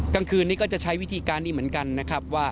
กลางคืนนี้ก็จะใช้วิธีการนี้เหมือนกันนะครับว่า